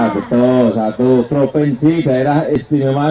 betul satu provinsi daerah istimewa